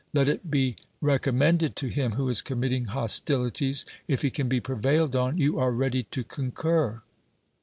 Let it be rec ommended to him who is committing hostilities; if he can be prevailed on, you are ready to eon cur.